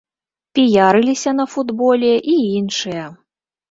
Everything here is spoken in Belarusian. Піярыліся на футболе і іншыя.